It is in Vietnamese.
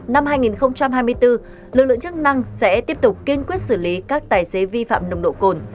năm hai nghìn hai mươi bốn lực lượng chức năng sẽ tiếp tục kiên quyết xử lý các tài xế vi phạm nồng độ cồn